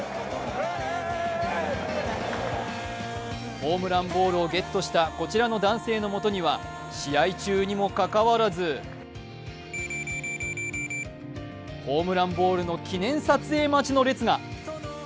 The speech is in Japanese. ホームランボールをゲットしたこちらの男性のもとには、試合中にもかかわらずホームランボールの記念撮影待ちの列が。